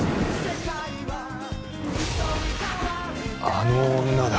あの女だ。